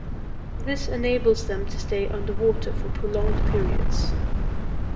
This enables them to stay underwater for prolonged periods.